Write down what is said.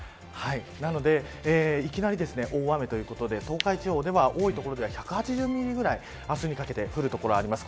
なのでいきなり大雨ということで東海地方では多い所では１８０ミリぐらい明日にかけて降る所があります。